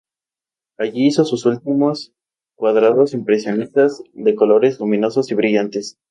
Allí hizo sus últimos cuadros impresionistas de colores luminosos y brillantes.